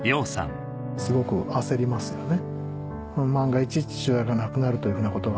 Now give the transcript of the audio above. すごく焦りますよね。